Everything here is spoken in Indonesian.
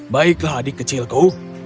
baiklah adik kecilku